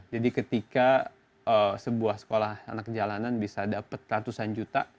jadi ketika sebuah sekolah anak jalanan bisa dapat ratusan juta